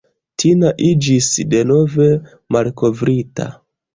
Tina iĝis denove "malkovrita".